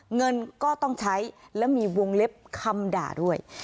เงินก็ต้องใช้และมีวงเล็บคำด่าด้วย